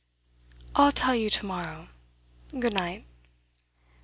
"I'll tell you to morrow. Good night."